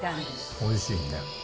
おいしいね。